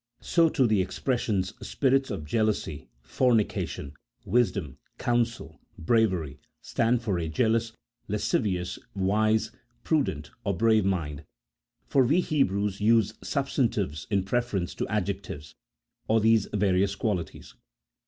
So, too, the expressions spirits of jealousy, fornica tion, wisdom, counsel, bravery, stand for a jealous, lasci vious, wise, prudent, or brave mind (for we Hebrews use substantives in preference to adjectives), or these various qualities.